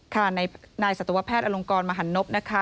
ค่ะนายสัตวแพทย์อลงกรมหันนบนะคะ